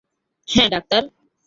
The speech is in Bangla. হ্যাঁঁ, ডাক্তার।